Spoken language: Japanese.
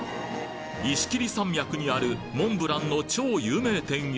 石切山脈にあるモンブランの超有名店へ。